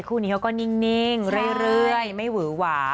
คู่นี้เขาก็นิ่งเรื่อยไม่หวือหวา